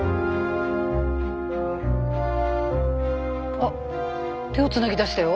あっ手をつなぎだしたよ。